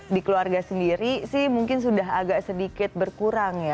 di keluarga sendiri sih mungkin sudah agak sedikit berkurang ya